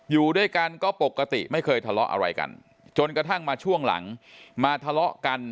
อยู่ด้วยกันก็ปกติไม่เคยทะเลาะอะไรกันจนกระทั่งมาช่วงหลังมาทะเลาะกัน